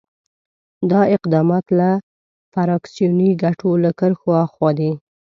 دا اقدامات له فراکسیوني ګټو له کرښو آخوا دي.